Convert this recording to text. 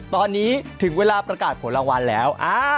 ตอนนี้ถึงเวลาประกาศผลรางวัลแล้ว